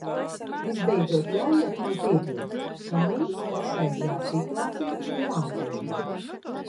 Visbeidzot, ļaujiet man piebilst, ka mums pašreizējā situācija ir jāuzlabo.